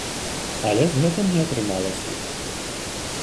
Але з гэтым не атрымалася.